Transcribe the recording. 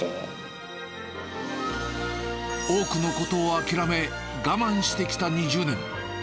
多くのことを諦め、我慢してきた２０年。